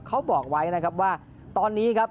เขาบอกไว้นะครับว่าตอนนี้ครับ